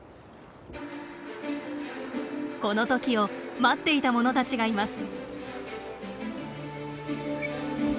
この時を待っていたものたちがいます。